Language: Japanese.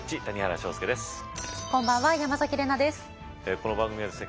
この番組はですね